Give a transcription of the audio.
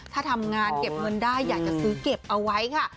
ถ้าทำงานเก็บเงินได้อยากจะซื้อเก็บเอาไว้ค่ะ